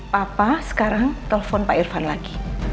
papa sekarang telepon pak irfan lagi